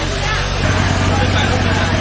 กินกว่าอีกแล้วนะครับ